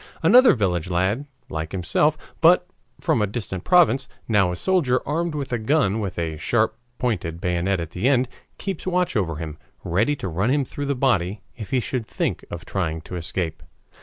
Another village lad like himself, but from a distant province, now a soldier armed with a gun with a sharp pointed bayonet at the end, keeps watch over him, ready to run him through the body if he should think of trying to escape.